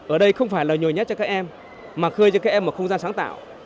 ở đây không phải là nhồi nhất cho các em mà khơi cho các em một không gian sáng tạo